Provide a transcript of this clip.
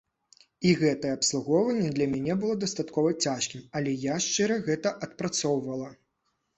І гэтае абслугоўванне для мяне было дастаткова цяжкім, але я шчыра гэта адпрацоўвала.